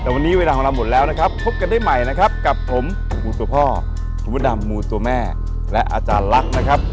แต่วันนี้เวลาของเราหมดแล้วนะครับพบกันได้ใหม่นะครับกับผมมูตัวพ่อคุณพระดำมูตัวแม่และอาจารย์ลักษณ์นะครับ